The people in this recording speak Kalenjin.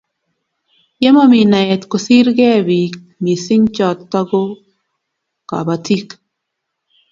ye mami naet ko sir kee bik mising choto ko kabatik